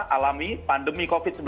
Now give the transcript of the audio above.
alami pandemi covid sembilan belas